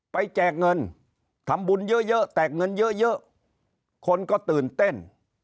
แจกเงินทำบุญเยอะแตกเงินเยอะคนก็ตื่นเต้น